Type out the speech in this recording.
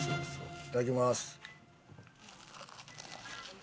いただきます。